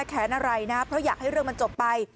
หรือแก้แค้นอะไรนะเค้าอยากให้เรื่องมันจบไป